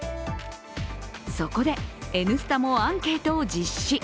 そこで「Ｎスタ」もアンケートを実施。